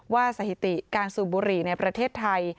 สถิติการสูบบุหรี่ในประเทศไทย